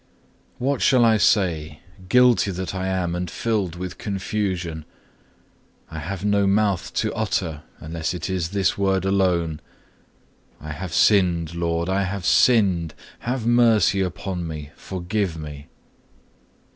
3. What shall I say, guilty that I am and filled with confusion? I have no mouth to utter, unless it be this word alone, "I have sinned, Lord, I have sinned; have mercy upon me, forgive me."